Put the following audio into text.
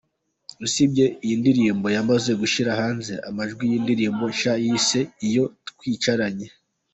Usibye iyi ndirimbo, yamaze gushyira hanze amajwi y’indirimbo nshya yise “Iyo twicaranye”.